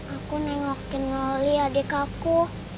aku nengokin wali adik aku